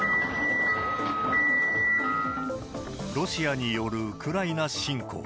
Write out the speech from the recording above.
ロシアによるウクライナ侵攻。